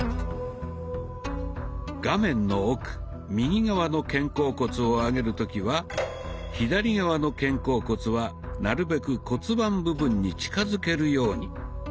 画面の奥右側の肩甲骨を上げる時は左側の肩甲骨はなるべく骨盤部分に近づけるように。